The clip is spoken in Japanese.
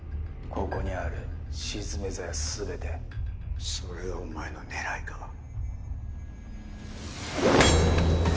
ここにある鎮冥鞘すべてそれがお前の狙いか